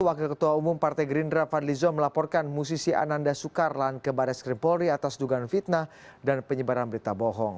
wakil ketua umum partai gerindra fadli zon melaporkan musisi ananda soekarlan ke baris krim polri atas dugaan fitnah dan penyebaran berita bohong